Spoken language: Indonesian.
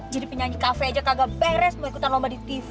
jadi penyanyi kafe aja kagak beres mau ikutan lomba di tv